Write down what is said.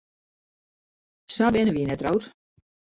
Sa binne wy net troud.